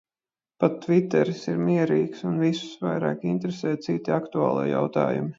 Pat tviteris ir mierīgs un visus vairāk interesē citi aktuālie jautājumi.